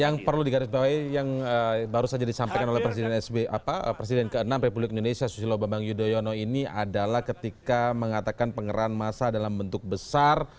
yang perlu digarisbawahi yang baru saja disampaikan oleh presiden ke enam republik indonesia susilo bambang yudhoyono ini adalah ketika mengatakan pengerahan masa dalam bentuk besar